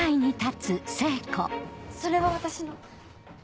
それは私の。